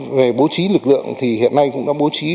về bố trí lực lượng thì hiện nay cũng đã bố trí